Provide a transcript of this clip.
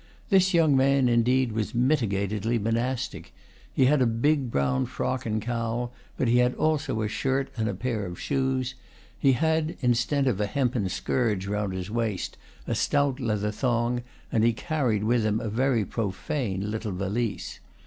This young man, indeed, was mitigatedly monastic. He had a big brown frock and cowl, but he had also a shirt and a pair of shoes; he had, instead of a hempen scourge round his waist, a stout leather thong, and he carried with him a very profane little valise.